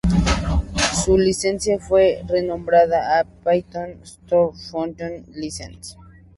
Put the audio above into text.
Su licencia fue renombrada a: Python Software Foundation License.